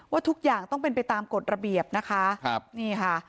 ทุกอย่างต้องเป็นไปตามกฎระเบียบนะคะครับนี่ค่ะ